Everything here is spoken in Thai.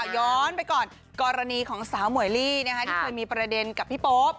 ย้อนไปก่อนกรณีของสาวหมวยลี่ที่เคยมีประเด็นกับพี่โป๊ป